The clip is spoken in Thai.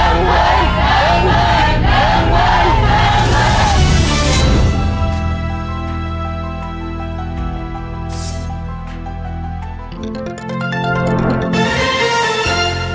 เวลาไม่เกินสองเที่ยวขับรถก็ไม่เกินสองเที่ยวใครจ้างผมทำอะไรยังไงผมทำอะไร